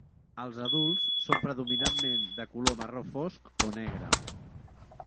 Els adults són predominantment de color marró fosc o negre.